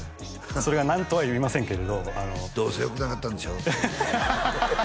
それが何とは言いませんけれど「どうせよくなかったんでしょ？」